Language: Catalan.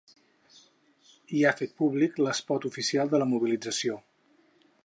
I ha fet públic l’espot oficial de la mobilització.